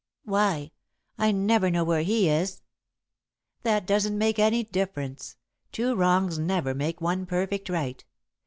"Why? I never know where he is." "That doesn't make any difference. Two wrongs never make one perfect right.